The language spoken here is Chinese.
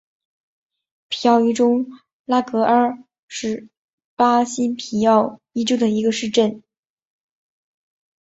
皮奥伊州拉戈阿是巴西皮奥伊州的一个市镇。